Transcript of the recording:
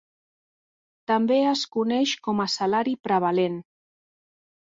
També es coneix com a salari prevalent.